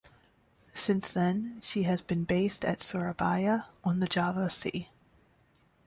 Since then, she has been based at Surabaya on the Java Sea.